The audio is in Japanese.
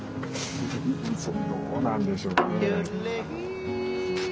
どうなんでしょうね。